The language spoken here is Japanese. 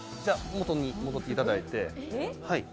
元に戻っていただいて。